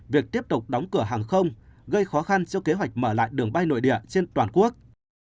việc tiếp tục đóng cửa hàng không gây khó khăn cho kế hoạch mở lại đường bay nội địa trên toàn quốc